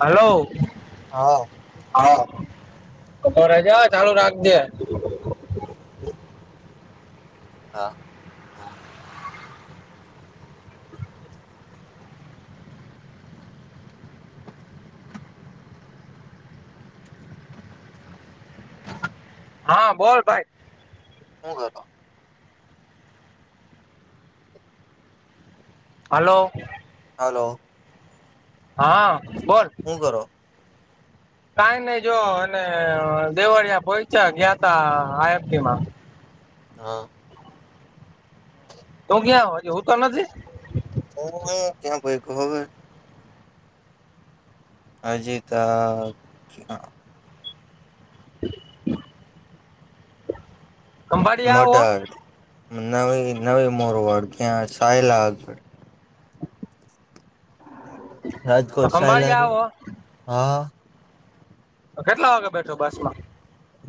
Hello. હાડો. હાડો ઉભો રેજે ચાલુ રાખ જે. હા. હા બોલ ભાઈ. હું કરતો. હલો. હલો. હા બોલ. હું કરો. કઈ નહી જો અને દેવળિયા પહોચ્યા ગયા ત આયતી માં. હા. તું ક્યાં હો હજી હુતો નથી. હ ક્યાં ભય કવે હજી તા. [unintelligible] ખંભાળી આવો મોઢાડ નવી નવી મોરવાડ ત્યાં સાયલાગ. તો રાજકોટ ખંભાળી સાહેલરી આવો હા. કેટલા વાગે બેઠો બસ માં.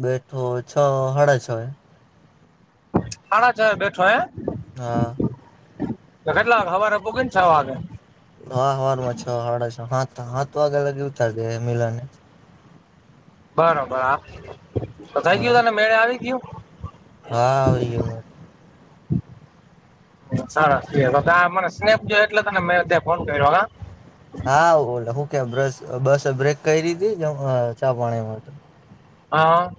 બેઠો છ હાડા છ એ. હણા છ બેઠો એમ. હા. તો કેટલા હવારે પોઘે ને છ વાગે. હા હરમાં છ હાડા છ હા હાથ વાગે લગ ઉતાર દે મિલા ને. બરોબર હા થઈ હા ગયું તને મેળ આવી ગયું. હા આવરી ગ હમ [unintelligible] સરસ મને સ્નેપ જો એટલે તને મે ત્યા ફોન કર્યો હા. હા બોલે હું કે બસ બસ બ્રેક કેરીતી ચા પાણીમાં. હા.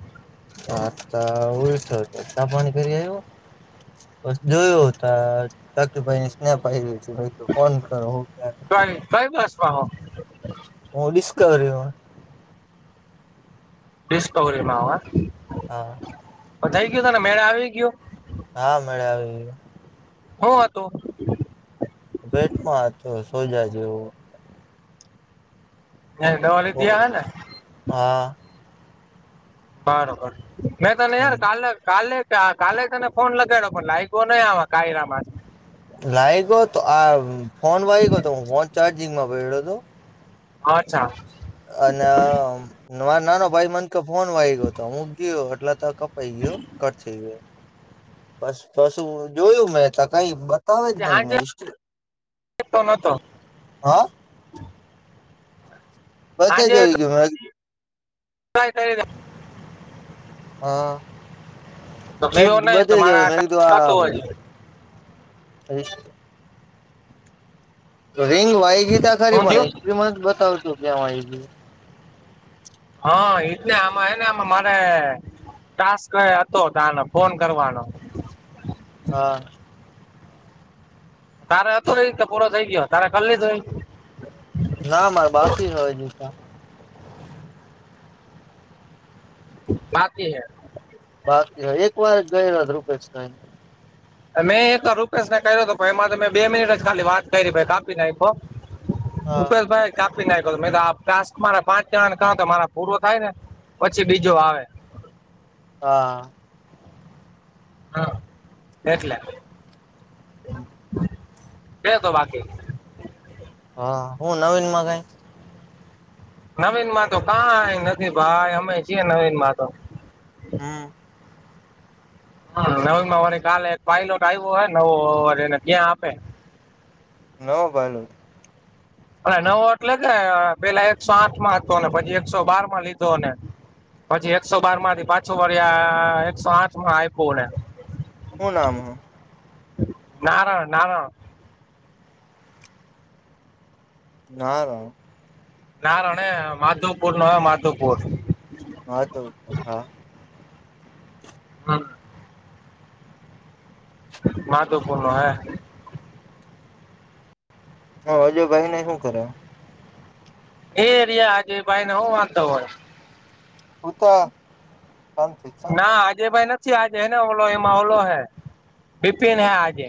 હા તો ઉઠ પેશાબ પાણી કરી આવ્યો. બ જોયું ત ચાકરી ભાઈને સ્નેપાઈ હતી. ફોન કરો હું ક કઈ કઈ બસમાં હો હું ડિસ્કવરી હો. ડિસ્કવરી માં હોય. હા. પતાય ગયો તને મેળે આવી ગયો. હા મેળ આવી. હું હતું. પેટમાં હતું સોજા જેવું. તમે દવા ઓ લીધે હે ને. હા. બરોબર. મેં તને હમ યાર કાલે કાલે જ તે આ કાલે તને ફોન લગાયડો પણ લાયગો નહી આવા કાયરામાં. લાઈ ગયો તો આ ફોન વાય ગયો હતો હું ફોન ચાર્જિંગમાં પડ્યો હતો. આચ્છા. અને મા નાનો ભાઈ મન કે ફોન વાઈ ગયો હતો મૂક ગયો એટલે તો. પઈ ગયો કટ થઈ ગયો બસ બસું જોયું મેં ત કઈ. તવે જ હાજે નહી તો નતો [inaudible] હા પછે જોઈ ગયો [inaudible] તોય કયરો. હા તો મેં થયો નહીં તો બધે જોયું મારા મેં કીધું આ થતું હજી [inaudible] રિંગ વાઈગી તા ખરી હું પણ થયું હિસ્ટ્રીમાં જ બતાવતું ક્યાં વહી ગયું. હા એ જ ને આમાં હેને આમાં મારે ટાસ્ક એ હતો તાણે ફોન કરવાનો. હા તારે હતો ને ઈજ કે પૂરો થઈ ગયો તારે કર લીધો ઈ? ના મારે બાકી છે હજી ત બાકી હૈ? બાકી હે એકવાર જ કર્યો તો રૂપેશભાઈને મેં એકવાર રૂપેશને કર્યો તો પણ એમાં તો મેં બે મિનિટ જ ખાલી વાત કરી પછી કાપી નાયખો. હા રૂપેશભાઈ કાપી નાખ્યો તો મે કીધું આ ટાસ્ક મારા પાંચ જણાને કા તા મારા પૂરો થાય ને પછી બીજો આવે. હા હા એટલે કેતો બાકી હા હું નવીનમાં કાઈ? નવીનમાં તો કાઈ નથી ભાઈ અમે છીએ નવીનમાં તો. હમ હહ નવીનમાં વળી એક કાલે એક પાયલોટ આયવો હે નવો વરી એને ક્યાં આપે. નવો પાયલોટ? અને નવો એટલે કે પેલા એકસો આઠમાં હતો ને પછી એકસો બારમાં લીધો ને. પછી એકસો બારમાંથી પાછું વરી આ એકસો આઠમાં આયપૂને હું નામ હે? નારણ નારણ. નારણ. નારણ હે માધવપૂરનો હે માધુપૂર. માધવપુર હા. હહ માધુપુરનો હે. હોવ અજયભાઈને હું કરે? એ રયા અજયભાઈને હું વાંધો હોય. હુતા ના અજયભાઈ નથી આજે હેને ઓલો એમાં ઓલો હે બિપિન હે આજે.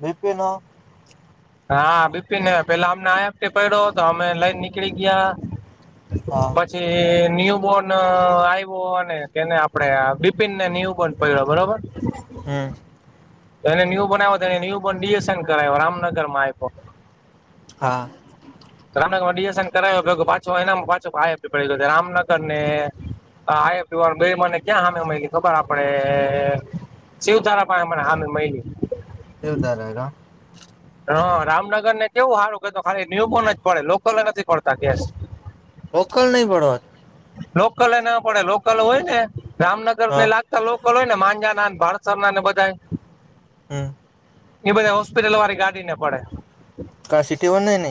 બિપિન અ હા બિપિન હે પેલા આમના અહીંયા જ તે પડ્યો તો અમે લઈન નીકળી ગયા. હા પછી ન્યુબોર્ન આઈવો ને કેને આપણેે આ બિપિનને ન્યૂબોન પડ્યો બરોબર. હમ એને ન્યુબોર્ન આવ્યો તો એને ન્યુબોર્ન ડીએસન કરાયવો રામનગરમાં આપ્યો. હા રામનગરમાં ડીએસન કરાયા ભેગો પાછો એનામાં પાછો [inaudible] એટલે રામનગરને આવા બે મને ક્યાં સામે મલી ખબર આપડે પછી હું તારા પાહે મને હામે મયલી. [inaudible] હા રામનગરને કેવું હારું કકે ખાલી ન્યુબોર્ન જ પડે લોકલએ નથી પડતા ક્યાંય. ઓકલ નઈ પડો લોકલ ના પડે લોકલ હોય ને રામનગર ને હા લાગ લોકોલ હોય ને માંજા ના ભારસર ના ને બધા હમ એ બધા હોસ્પિટલ વાળી ગાડીને પડે કા સિટી વર નહી ન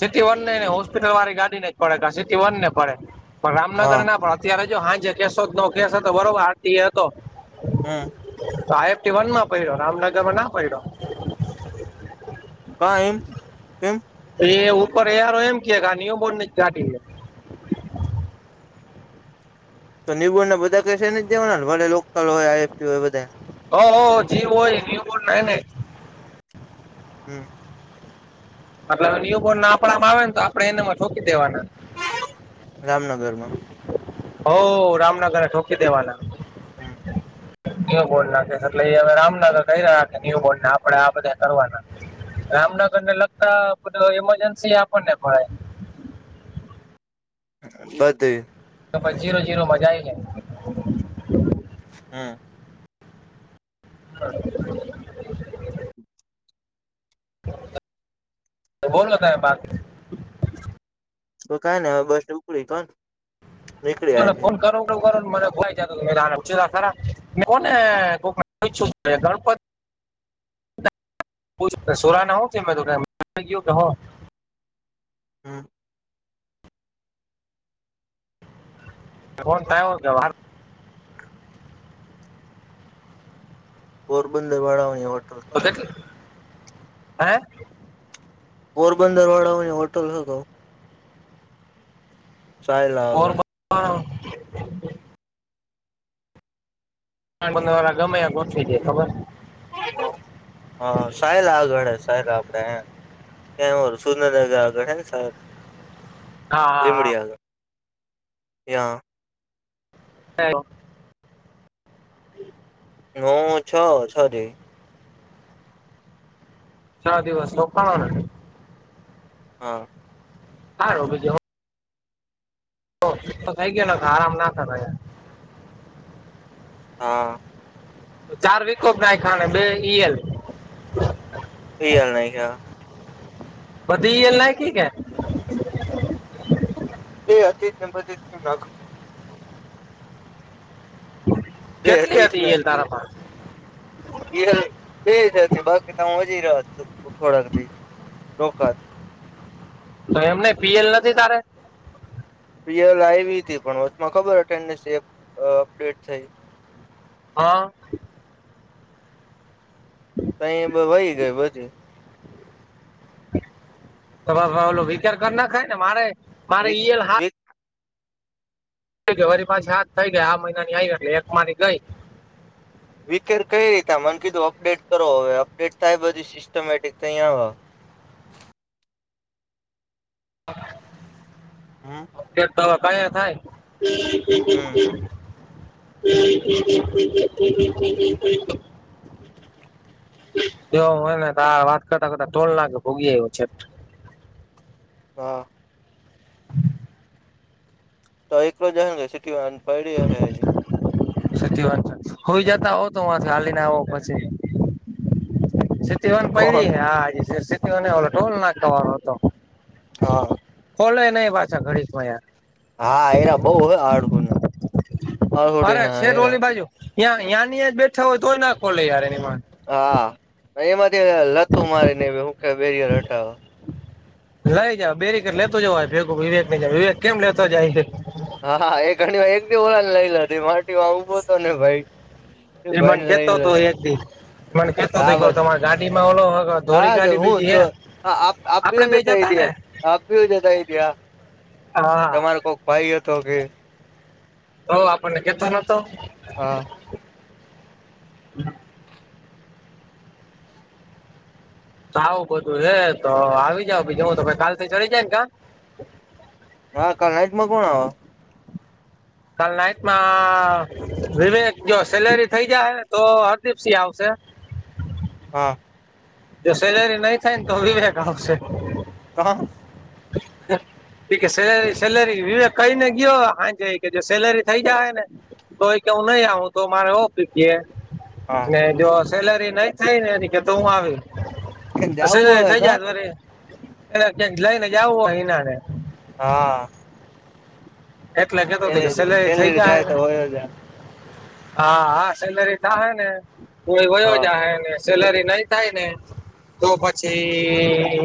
સિટી વન ન હોસ્પિટલ વાળ ગાડી ન પડે સિટી વનને પડે પણ રામનગર હા ના પણ અત્યારે જો હા જે કેસો જ ન કેસ હતો બરોબર આતી એ હતો હમ તો આઈ એફટી વન માં પડ્યો રામનગર માં ના પડ્યો ક એમ તેમમ એ ઉપર યાર એમ કે આ નિયમ બોર્ડ કાઢી તો નિબુણ બધા કશે ને જવાનાે લોકલ હોય આઈએફપી હોય બધા હહ જી હોય જ ન ન હમ મતલ ન્યુ બોર્ન ના આપણામાં આવે ને તો આપણેે એને માં ઠોકી દેવાના રામનગરમાં હો રામનગર ઠોકી દેવાના હમ ન્યૂ બોર્ન ના કેસ એટલે એ હવે રામનગર કહી રહ્યા કે ન્યુ બોર્નને આપડે આ બધા કરવાના રામનગર ને લગતા બધા ઈમરજન્સી આપણને ભાય બધે તો જીરો જીરો મજા આઈ લે હમ [inaudible] બોલલો ત બાત તો કઈ ને હવે બસ ઉપડી તોને ત ફોન કરો મ કોનેણતિ સોરા ના હો કે કે હા થ પોરબંદર વાડા હો તો કેટલી હે પોરબંદર વાળાઓની હોટલ હતો સાયલા આગળ હા દર વાળ ગમે્યા ગોઠવી દે ખબર હા સાહેલ આગળ સાહેલ આપડે સુંરેનગરગળે સર હા હા લીબડી આગળ હા હમ [inaudible] છ છરી ચાર દિવસ લોકો પણણ હા હાર તો તો થઈ ગયો ને તો આરામ ના કરાય હા ચાર વિકકોપ ના ખાણે બે ઈ એલ થઈ ગાલ નાહી હા બધી ઈ એલ નાઈખી કે? એ અતિતને બતીતને [unintelligible] કેટલી હતી એલ તારા ભા ઈ એલ એક હતી બાકી તા મદિરા હતું, થોડાક દી રોકાત. તો એમ નઈ પીએલ નથી તારે? પ્રિયલ આયવી તી પણ વચમાં ખબર અટેન્ડન્સ એક અ અપડેટ થઈ હન. તઈ એ બે વઈ ગઈ પછી. તમાર ભાવલો વિચાર કર નખાય ને મારે મારે વીક ઈયલ સા વીક થઈ ગયા. વરીમાં સાત થઈ ગયા, આ મહિનાની આઈવી એટલે એક માની ગઈ. વિકેડ કઈ રીતા મન કીધું અપડેટ કરો, હવે અપડેટ થાય બધી સિસ્ટમેટિક તઈયા [inaudible] હમ્મ. એ તો હવ કયા થાય. હમ્મ. [inaudible] એવુ હોય ને તો આ વાત કરતા કરતા ધોલ નાકે પોગી આયવો છેટ. હા. [inaudible] તઈ એકલો જ અહે ન કે સીટીવાળાન પઈડી અહે અહિની. સાચી વાત છે, હૂઈ જતા હો તો [unintelligible] હાલીન આવો પછી સીટીવાળાન પઈડી કોણ હે હા એ જે સીટીવાળો ની ઓલો ટોલ નાકાવાળો હતો. હા. ખોલોય નઈ પાછા ઘડીમાય આ. હા, એરા બઉ હ આળહુના. અરે છેટ ઓલી બાજુ યાં યાંની યાં બેઠા હોય તોય ના ખોલે યાર એની માં હા, કઈ એમાંથી લતું મારીને હું કે બેરિયર હટાવે. લઈ જા બેરીકર લેતો જવાય ભેગું વિવેકને ન્યા, વિવેક કેમ લેતો જાય? હા, હા એ ઘણીમાં એક દી ઓલાન લઈ લેત એ માટીમાં ઉભો તો ને ભઈ એ મન કેતો તો એક દી, મન કેતો તો હા એકવાર બસ તમાર ગાડીમાં ઓલો અ હા, તે હું તો આપડે આ-આપ-આપ્યું છે બે ન જતા ને આઈડિયા, આપ્યું છે ન આઈડિયા. હા. ભઈ એ તો કે તો આપડને કેતો નતો. હા. આવું બધું હે તો આવી જાવ, બીજે હુ તો કાલથી ચઢી જાયન કા? હા, કાલ નાઈટમાં કોણ આવ? કાલ નાઇટમાં વિવેક, જો સેલેરી થઈ જાહે તો હરદીપસિંહ આવશે. હા. જો સેલેરી નઈ થાય ન તો વિવેક આવશે. હા. ઈ કે સેલરી-સેલરી વિવેક કઈને ગયો, હાજે ઈ કે જો સેલરી થઈ જાય હેને તો ઈ કે, હુ નઈ આવું તો મારે ઓફ ઈ કે હા ને જો સેલેરી નઈ થાયને ઈ કે તો હું આવી, અ જાવું સેલરી હે થઈ કા જાય ત વરી એલે ક્યાંક લઈને જાવું હો ઈનારે હા. એટલે કેતો તો કે સેલેરી સેલરી થઈ સેલેરી જાય થાય હે તો વયો જા હા, હા સેલરી થાહે ને તો એ વયો હા જાહે ને સેલરી નઈ થાયને, તો પછી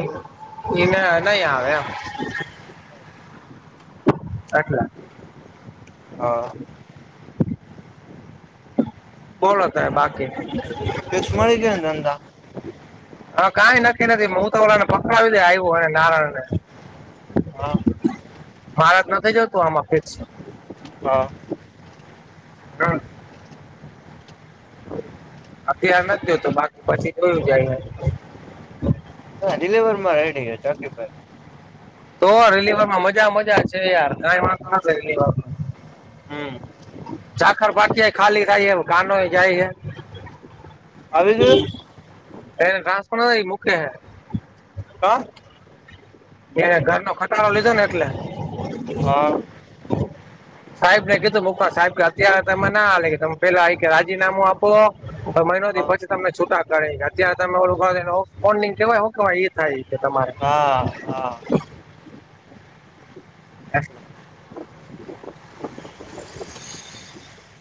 ઉ ઈના નઈ આવે એમ. [inaudible] એટલે હા. બોલો તાર બાકી ફિક્સ મળી ગ્યા ધંધા હા કાઈ નક્કી નથી હું તો ઓલા ને ફક આવી દે આવ્યુંને નારાણને હા મારા જ નથી જોતું આમ ફિક્સ હા. અત્યાર નથી જોતું બાકી પછી જોયું જાહે હા ડીલીવરમાં રેડી હે ધરતીભાઈ તો રેલીવાર માં મજા મજા છે યાર કાઈ વાંધો નથી રેલીમાં હમ્મ. ચાખર પાકી ખાલી થાય એ કાનો એ જાય હે. આવી ગયું એ કાકણો ઈ મુકે હે કા એને ઘરનો ખટારો લીધો ને એટલે હા. સાહેબ ને કીધું મુકવા સાહેબ કે અત્યારે તમે ના આલે કે તમે પેલા આ કે રાજીનામું આપો મહિનો હા થી પછી તમને છૂટા કરે અત્યારે તમે ઓલું કરો ફોલ્ડિંગ કેવાય હું કેવાય ઈ થાય છે તમારે હા હાઆ [inaudible]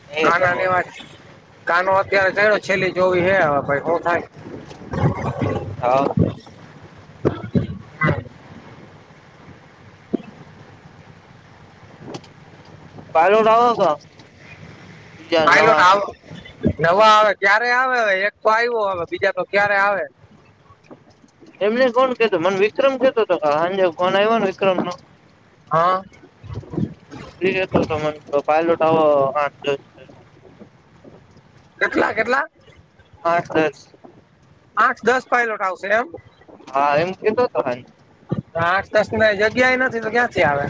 એ કાના ની કરવું છે વાત કાનો અત્યારે થાય છેલ્લી જોવી હે હવે પહિ શું થાય હ અ [inaudible] [inaudible] કાલુ દાવો સો પાઇલોટ આવ નવા આવે ક્યારે આવે એક તો આયવો હવે બીજા તો ક્યારે આવે એમને કોણ કેતો મન વિક્રમ કેતો હતો કાલ હાંજે ફોન આયવો ને વિક્રમ નો હ અ ફ્રી જતો તો મન તો પાયલોટ આવો આ જોઈ કેટલા કેટલા આઠ દસ આઠ દસ પાયલોટ આવશે એમ. હા એમ કેતો હતો ભાઈ આઠ દસ ને જગ્યા એ નથી તો ક્યાંથી આવે